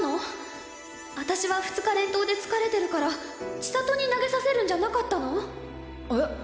私は２日連投で疲れてるから千里に投げさせるんじゃなかったの⁉えっ？